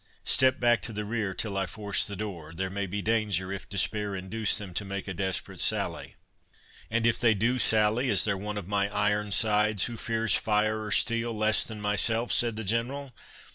Step back to the rear till I force the door—there may be danger, if despair induce them to make a desperate sally." "And if they do sally, is there one of my Ironsides who fears fire or steel less than myself?" said the General.